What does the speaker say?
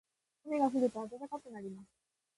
雨が降ると暖かくなります。